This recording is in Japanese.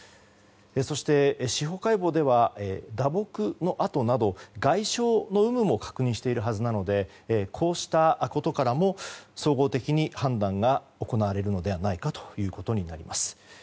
そして、司法解剖では打撲の痕など外傷の有無も確認しているはずなのでこうしたことからも総合的に判断が行われるのではないかということになります。